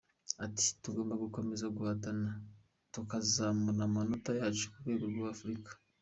Ati" Tugomba gukomeza guhatana tukazamura amanota yacu ku rwego rwa Afurika.